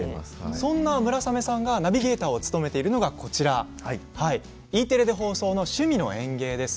そんな村雨さんがナビゲーターを務めているのがＥテレで放送の「趣味の園芸」です。